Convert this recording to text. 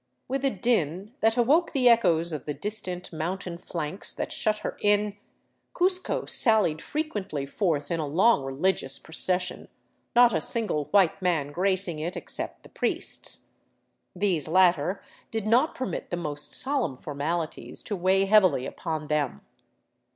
With a din that awoke the echoes of the distant mountain flanks that shut her in, Cuzco sallied frequently forth in a long religious procession, not a single white man gracing it, except the priests. These latter did not permit the most solemn formalities to weigh heavily upon them.